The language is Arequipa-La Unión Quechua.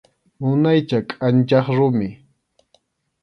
Munaycha kʼanchaq rumi.